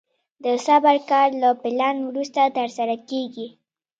د صبر کار له پلان وروسته ترسره کېږي.